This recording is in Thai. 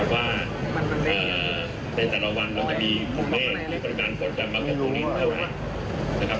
ว่าในแต่ละวันเราจะมีคุณแม่ประกันผลจำมากับตรงนี้ได้ไหม